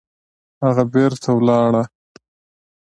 هغه بېرته ولاړه